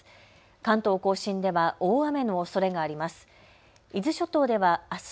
関東甲信では大雨のおそれがあります。